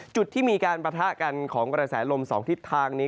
จุดที่มีการปะทะกันของกระแสลม๒ทิศทางนี้